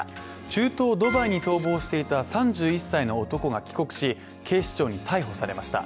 中東ドバイに逃亡していた３１歳の男が帰国し警視庁に逮捕されました。